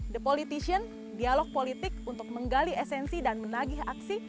the politician dialog politik untuk menggali esensi dan menagih aksi